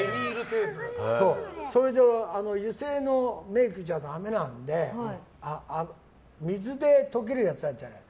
それで、油性のメイクじゃダメなので水で溶けるやつあるじゃない。